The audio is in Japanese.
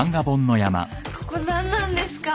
ここ何なんですか？